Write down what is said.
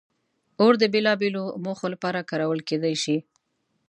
اور د بېلابېلو موخو لپاره کارول کېدی شي.